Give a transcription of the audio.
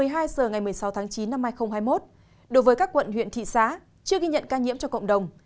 một mươi hai h ngày một mươi sáu tháng chín năm hai nghìn hai mươi một đối với các quận huyện thị xã chưa ghi nhận ca nhiễm cho cộng đồng